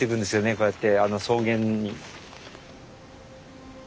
こうやってあの草原に。